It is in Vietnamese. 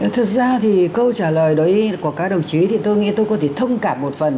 thật ra thì câu trả lời đấy của các đồng chí thì tôi nghĩ tôi có thể thông cảm một phần